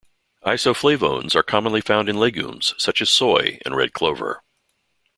Isoflavones are commonly found in legumes such as soy and red clover.